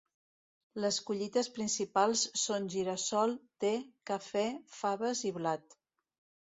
Les collites principals són gira-sol, te, cafè, faves i blat.